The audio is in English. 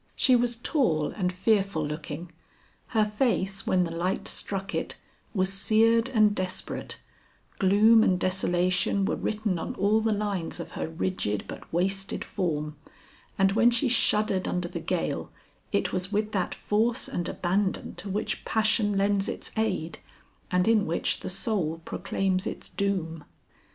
She was tall and fearful looking; her face, when the light struck it, was seared and desperate; gloom and desolation were written on all the lines of her rigid but wasted form, and when she shuddered under the gale, it was with that force and abandon to which passion lends its aid, and in which the soul proclaims its doom.